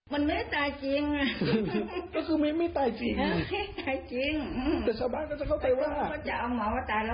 มันไม่ได้ตายจริงอ่ะ